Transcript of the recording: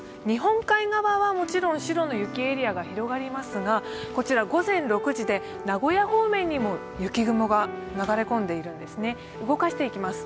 日本海側はもちろん白の雪エリアが広がりますが午前６時で名古屋方面にも雪雲が流れ込んでいるんですね。